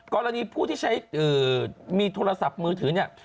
กรณีผู้ที่ใช้มีโทรศัพท์มือถือเนี่ย